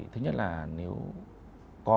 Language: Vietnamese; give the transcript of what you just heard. thứ nhất là nếu có